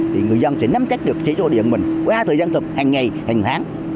thì người dân sẽ nắm chắc được chỉ số điện mình qua thời gian thực hành ngày hành tháng